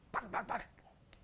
tak tak tak